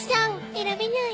［選べない］